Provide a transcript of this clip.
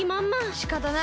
しかたない。